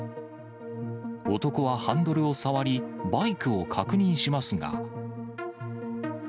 男はハンドルを触り、バイクを確認しますが。